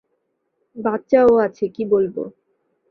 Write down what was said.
বাচ্চা ও আছে কি বলব!